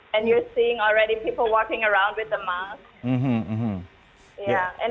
dan anda sudah melihat orang berjalan jalan dengan masker